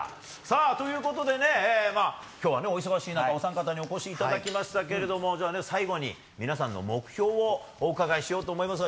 ということで今日はお忙しい中お三方にお越しいただきましたが最後に皆さんの目標をお伺いしようと思います。